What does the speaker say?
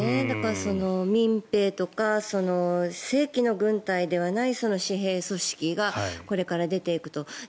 だから、民兵とか正規の軍隊ではない私兵組織がこれから出ていくと。